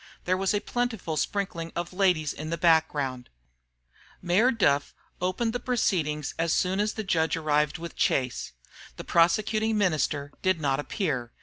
There was a plentiful sprinkling of ladies in the background. Mayor Duff opened proceedings as soon as the judge arrived with Chase. The prosecuting minister did not appear.